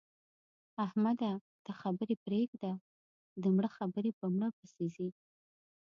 احمده! دا خبرې پرېږده؛ د مړه خبرې په مړه پسې ځي.